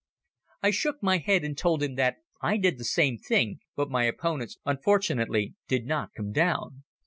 I shook my head and told him that I did the same thing but my opponents unfortunately did not come down.